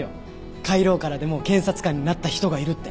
下位ローからでも検察官になった人がいるって。